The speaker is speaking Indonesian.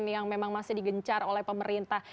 yang memang masih digencar oleh pemerintah